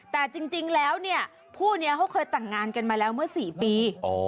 แต่จริงแล้วเนี่ยคู่นี้เขาเคยแต่งงานกันมาแล้วเมื่อ๔ปี